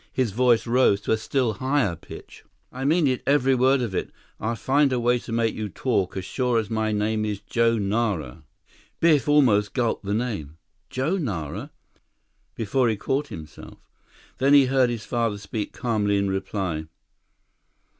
His voice rose to a still higher pitch: "I mean it, every word of it! I'll find a way to make you talk, as sure as my name is Joe Nara!" Biff almost gulped the name, "Joe Nara!" before he caught himself. Then he heard his father speak calmly in reply.